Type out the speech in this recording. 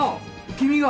君が。